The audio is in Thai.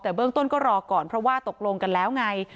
แต่เบื้องต้นก็รอก่อนเพราะว่าตกลงกันแล้วไง